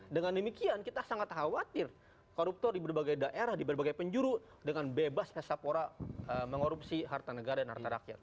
dengan demikian kita sangat khawatir koruptor di berbagai daerah di berbagai penjuru dengan bebas esapora mengorupsi harta negara dan harta rakyat